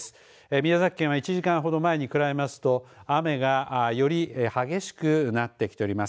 宮崎県は１時間ほど前に比べますと雨がより激しくなってきております。